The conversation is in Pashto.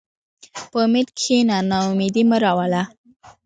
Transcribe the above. په امید کښېنه، ناامیدي مه راوړه.